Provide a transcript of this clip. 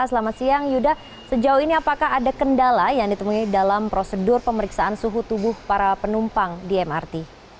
selamat siang yuda sejauh ini apakah ada kendala yang ditemui dalam prosedur pemeriksaan suhu tubuh para penumpang di mrt